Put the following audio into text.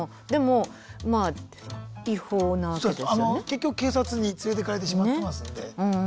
結局警察に連れていかれてしまってますんで。